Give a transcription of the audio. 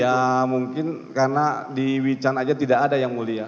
ya mungkin karena di wecan aja tidak ada yang mulia